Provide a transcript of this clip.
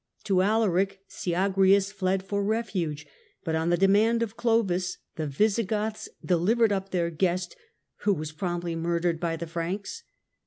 To Alaric Syagrius fled for refuge, but on the demand of Clovis the Visigoths delivered up their guest, who was promptly murdered by the Franks.